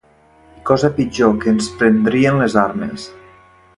I cosa pitjor, que ens prendrien les armes